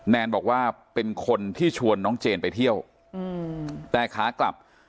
แนนบอกว่าเป็นคนที่ชวนน้องเจนไปเที่ยวแต่ขากลับ